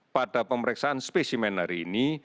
pada pemeriksaan spesimen hari ini